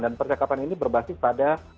dan percakapan ini berbasis pada